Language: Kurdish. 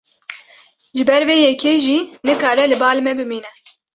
Ji ber vê yekê jî nikare li bal me bimîne.